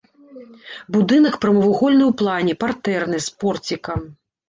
Будынак прамавугольны ў плане, партэрны, з порцікам.